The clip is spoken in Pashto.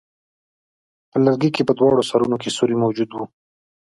په لرګي کې په دواړو سرونو کې سوری موجود وو.